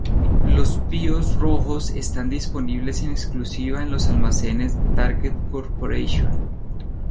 Los píos rojos están disponibles en exclusiva en los almacenes de Target Corporation.